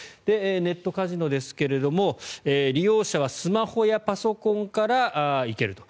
ネットカジノですが利用者はスマホやパソコンからいけると。